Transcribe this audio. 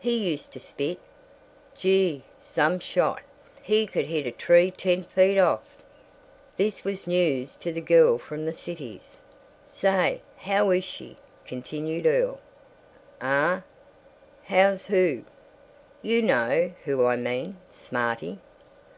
He used to spit Gee! Some shot! He could hit a tree ten feet off." This was news to the girl from the Cities. "Say, how is she?" continued Earl. "Huh? How's who?" "You know who I mean, smarty."